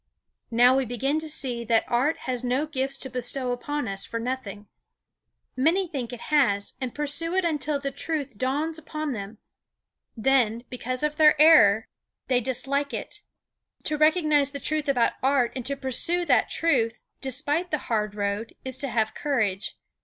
Now we begin to see that art has no gifts to bestow upon us for nothing. Many think it has, and pursue it until the truth dawns upon them; then, because of their error, they dislike it. To recognize the truth about art and to pursue that truth, despite the hard road, is to have courage.